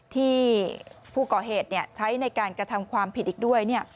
ที่ผู้ก่อเหตุใช้ในการกระทำความผิดอีกด้วย